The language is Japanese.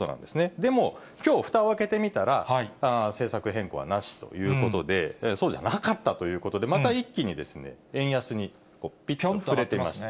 でもきょう、ふたを開けてみたら、政策変更はなしということで、そうじゃなかったということで、また一気に円安に振れてます。